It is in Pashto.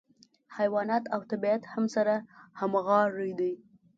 حیوانات او طبیعت هم سره همغاړي دي.